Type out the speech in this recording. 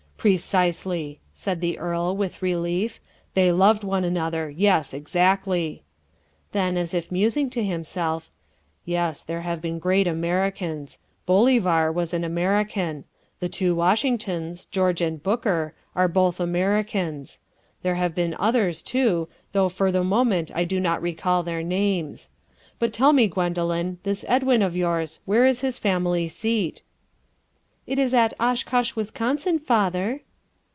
"Precisely," said the earl, with relief, "they loved one another, yes, exactly." Then as if musing to himself, "Yes, there have been great Americans. Bolivar was an American. The two Washingtons George and Booker are both Americans. There have been others too, though for the moment I do not recall their names. But tell me, Gwendoline, this Edwin of yours where is his family seat?" "It is at Oshkosh, Wisconsin, father."